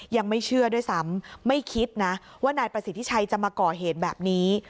ยังไม่เชื่อด้วยซ้ำไม่คิดนะว่านายประสิทธิชัยจะมาก่อเหตุแบบนี้